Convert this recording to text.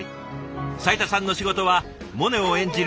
斉田さんの仕事はモネを演じる